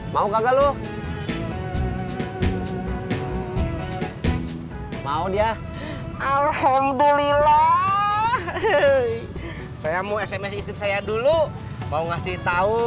mau kagak luh mau dia alhamdulillah saya mau sms istri saya dulu mau ngasih tahu